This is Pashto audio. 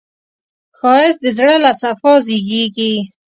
ښایست د زړه له صفا زېږېږي